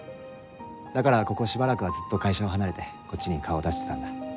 だからここしばらくはずっと会社を離れてこっちに顔を出してたんだ。